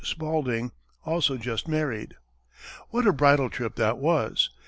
Spalding, also just married. What a bridal trip that was!